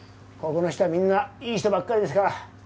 ここの人はみんないい人ばっかりですから。